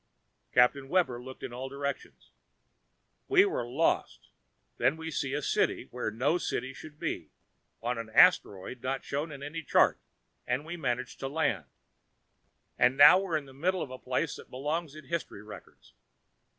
Captain Webber looked in all directions. "We were lost. Then we see a city where no city should be, on an asteroid not shown on any chart, and we manage to land. And now we're in the middle of a place that belongs in history records.